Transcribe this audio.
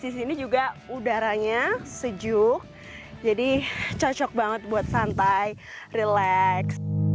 di sini juga udaranya sejuk jadi cocok banget buat santai relax